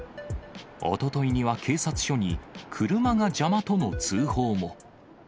おとといには警察署に、車が邪魔との通報も。